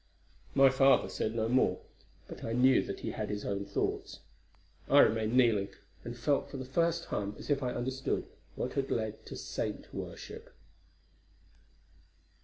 My father said no more, but I knew he had his own thoughts. I remained kneeling, and felt for the first time as if I understood what had led to saint worship.